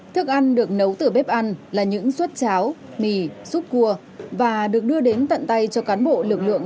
thức ăn được nấu từ bếp ăn là những suất cháo mì xúc cua và được đưa đến tận tay cho cán bộ lực lượng